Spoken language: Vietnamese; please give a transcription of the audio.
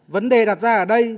vấn đề đặt ra ở đây